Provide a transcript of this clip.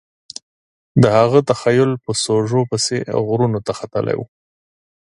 د هغه تخیل په سوژو پسې غرونو ته ختلی و